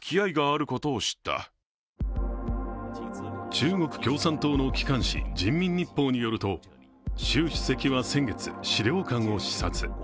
中国・共産党の機関紙「人民日報」によると、習主席は先月、資料館を視察。